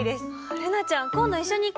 瑠菜ちゃん今度一緒に行こうよ。